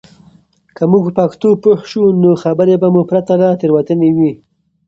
که موږ په پښتو پوه شو، نو خبرې به مو پرته له تېروتنې وي.